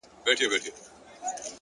هوډ د نیمګړو امکاناتو ځواک راویښوي؛